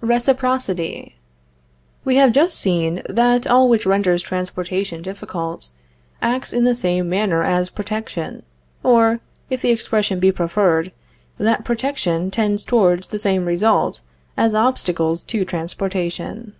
RECIPROCITY. We have just seen that all which renders transportation difficult, acts in the same manner as protection; or, if the expression be preferred, that protection tends towards the same result as obstacles to transportation.